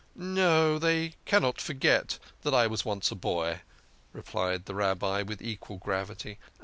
" No, they cannot forget that I was once a boy," replied the Rabbi with equal gravity.